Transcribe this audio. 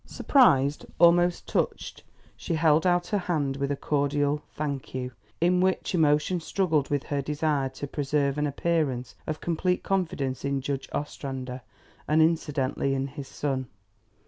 Surprised, almost touched, she held out her hand, with a cordial THANK YOU, in which emotion struggled with her desire to preserve an appearance of complete confidence in Judge Ostrander, and incidentally in his son.